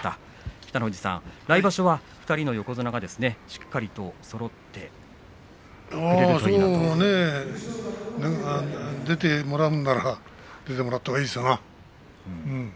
北の富士さん、来場所は２人の横綱がしっかりとそうね出てもらうなら出てもらったほうがいいですな。